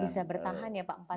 bisa bertahan ya pak empat bulan